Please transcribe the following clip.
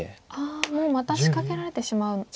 もうまた仕掛けられてしまうんですね。